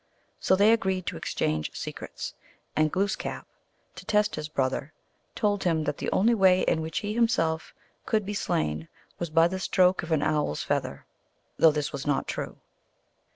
So they agreed to exchange secrets, and Glooskap, to test his brother, told him that the only way in which he him self could be slain was by the stroke of an owl s feather, 1 though this was not true.